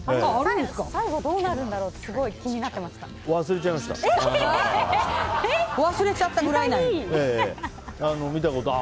最後どうなるんだろうってすごい気になってました。